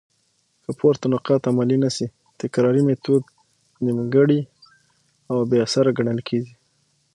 که پورته نقاط عملي نه سي؛ تکراري ميتود نيمګړي او بي اثره ګڼل کيږي.